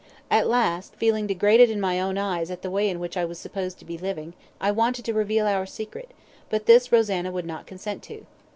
At last, feeling degraded in my own eyes at the way in which I was supposed to be living, I wanted to reveal our secret, but this Rosanna would not consent to.